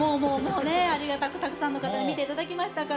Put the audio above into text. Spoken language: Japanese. ありがたく、たくさんの方に見ていただきましたから。